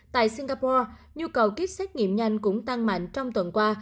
tại singapore nhu cầu kit xét nghiệm nhanh cũng tăng mạnh trong tuần qua